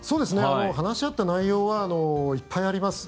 話し合った内容はいっぱいあります。